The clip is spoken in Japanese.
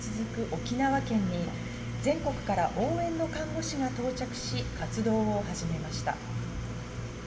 沖縄県に、全国から応援の看護師が到着し、活動を始めました。